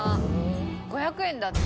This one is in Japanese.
５００円だって。